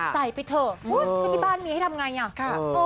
ใส่ไปเถอะในบ้านมีให้ทำไงเนี่ย